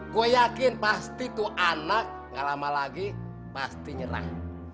gue yakin pasti tuh anak gak lama lagi pasti nyerang